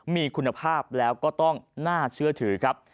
มีคุณภาพแล้วก็ต้องน่าเชื่อถือครับ